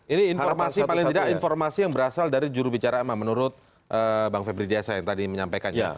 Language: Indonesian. ini informasi paling tidak informasi yang berasal dari jurubicara ma menurut bang febri diasa yang tadi menyampaikannya